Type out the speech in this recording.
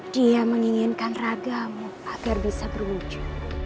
dia menginginkan ragamu agar bisa berwujud